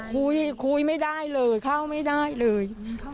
คุยคุยไม่ได้เลยเข้าไม่ได้เลย